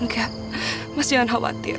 tidak mas jangan khawatir